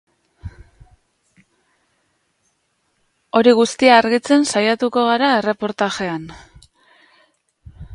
Hori guztia argitzen saiatuko gara erreportajean.